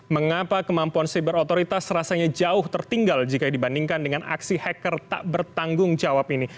mengapa kemampuan siber otoritas rasanya jauh tertinggal jika dibandingkan dengan aksi hacker tak bertanggung jawab ini